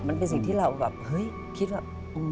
มันเป็นสิ่งที่เราแบบเฮ้ยคิดว่า